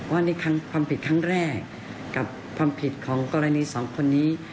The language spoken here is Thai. ว่านี่ความผิดครั้งแรกกับความผิดของกรณีสองคนนี้